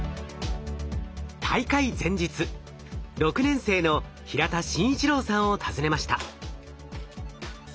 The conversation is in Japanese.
大会前日６年生の平田眞一郎さんを訪ねました。